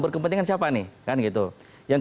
berkepentingan siapa nih kan gitu yang